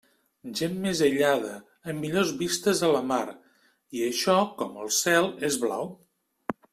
Gent més aïllada, amb millors vistes a la mar, i això, com el cel, és blau.